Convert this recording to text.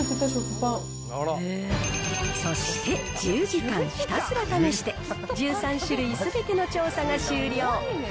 そして、１０時間ひたすら試して、１３種類すべての調査が終了。